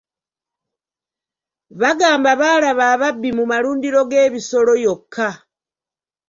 Bagamba baalaba ababbi mu malundiro g'ebisolo yokka.